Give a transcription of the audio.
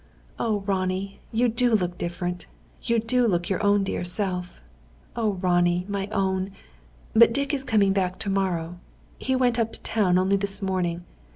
"Oh, Ronnie, you do look different! You do look your own dear self. Oh, Ronnie, my own! But Dick is coming back to morrow. He went up to town only this morning.